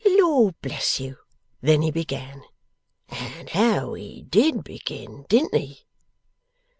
'Lord bless you, then he began! And how he DID begin; didn't he!